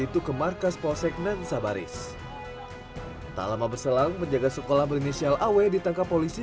itu ke markas posek nansabaris tak lama berselang menjaga sekolah berinisial aw ditangkap polisi